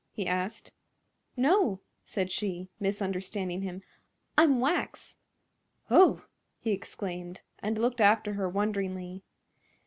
he asked. "No," said she, misunderstanding him; "I'm wax." "Oh!" he exclaimed, and looked after her wonderingly.